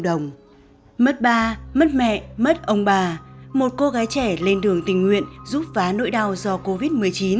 đồng mất ba mất mẹ mất ông bà một cô gái trẻ lên đường tình nguyện giúp phá nỗi đau do covid một mươi chín